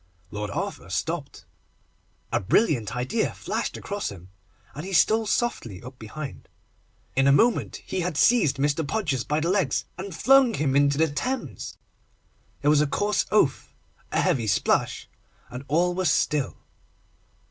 Lord Arthur stopped. A brilliant idea flashed across him, and he stole softly up behind. In a moment he had seized Mr. Podgers by the legs, and flung him into the Thames. There was a coarse oath, a heavy splash, and all was still.